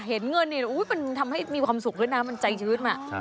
เห็นเงินอีกอุ๊ยมันทำให้มีความสุขขึ้นนะมันใจชีวิตมา